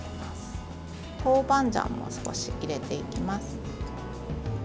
豆板醤も少し入れていきます。